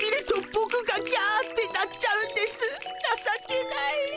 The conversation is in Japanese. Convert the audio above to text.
なさけない。